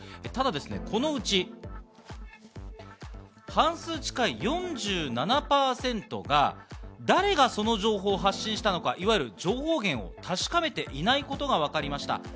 ただこの内、半数近い４７％が誰がその情報を発信したのか、いわゆる情報源を確かめていないことがわかりました。